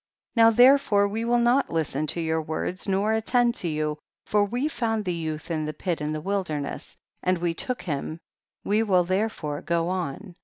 10. Now therefore we will not lis ten to your words, nor attend to you, for we found the youth in the pit in the wilderness, and we took him ; we will tliere. Jore go on.